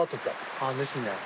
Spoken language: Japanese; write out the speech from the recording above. あですね。